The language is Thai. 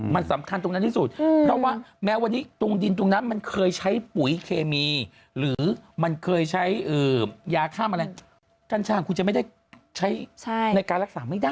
มันสำคัญตรงนั้นที่สุดเพราะว่าแม้วันนี้ตรงดินตรงนั้นมันเคยใช้ปุ๋ยเคมีหรือมันเคยใช้ยาข้ามอะไรกัญชาคุณจะไม่ได้ใช้ในการรักษาไม่ได้